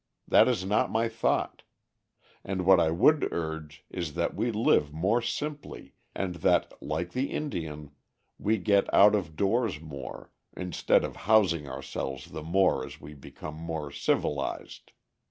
That is not my thought. What I would urge is that we live more simply, and that, like the Indian, we get out of doors more, instead of housing ourselves the more as we become more "civilized."